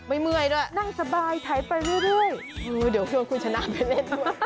ไม่เมื่อยด้วยนั่งสบายถ่ายไปด้วยเดี๋ยวคุณชนะไปเล่นด้วย